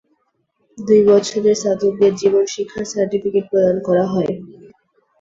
দুই বছরের স্নাতকদের জীবন শিক্ষার সার্টিফিকেট প্রদান করা হয়।